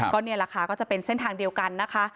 ก็นี่แหละค่ะก็จะเป็นเส้นทางเดียวกันนะคะ